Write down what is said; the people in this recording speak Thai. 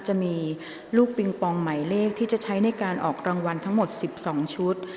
จะมีลูกปิงปองหมายเลขที่จะใช้ในการออกรางวัลทั้งหมด๑๒ชุด